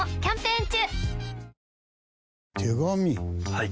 はい。